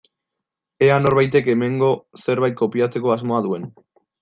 Ea norbaitek hemengo zerbait kopiatzeko asmoa duen.